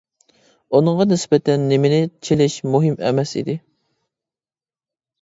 ئۇنىڭغا نىسبەتەن نېمىنى چېلىش مۇھىم ئەمەس ئىدى.